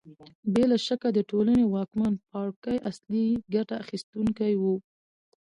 بې له شکه د ټولنې واکمن پاړکي اصلي ګټه اخیستونکي وو